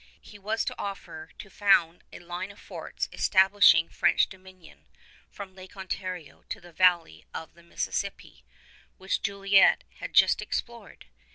He was to offer to found a line of forts establishing French dominion from Lake Ontario to the valley of the Mississippi, which Jolliet had just explored.